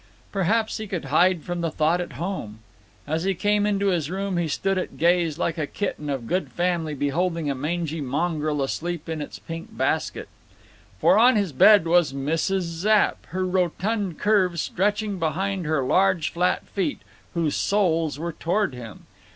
Perhaps he could hide from thought at home. As he came into his room he stood at gaze like a kitten of good family beholding a mangy mongrel asleep in its pink basket. For on his bed was Mrs. Zapp, her rotund curves stretching behind her large flat feet, whose soles were toward him.